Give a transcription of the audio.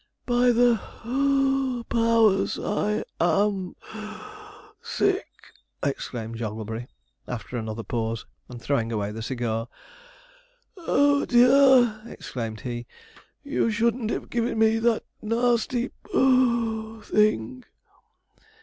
'By the (puff) powers! I am (puff) sick!' exclaimed Jogglebury, after another pause, and throwing away the cigar. 'Oh, dear!' exclaimed he, 'you shouldn't have given me that nasty (puff) thing.'